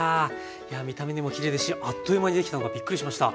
いや見た目にもきれいですしあっという間にできたのがびっくりしました。